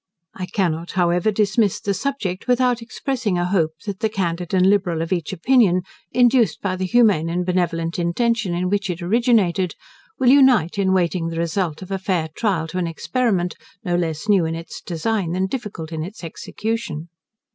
I cannot, however, dismiss the subject without expressing a hope, that the candid and liberal of each opinion, induced by the humane and benevolent intention in which it originated, will unite in waiting the result of a fair trial to an experiment, no less new in its design, than difficult in its execution.